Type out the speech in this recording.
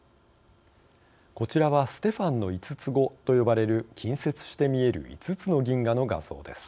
こちらはステファンの５つ子と呼ばれる近接して見える５つの銀河の画像です。